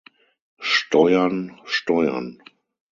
Steuern steuern.